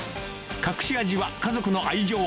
隠し味は、家族の愛情。